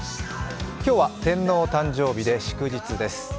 今日は天皇誕生日で祝日です。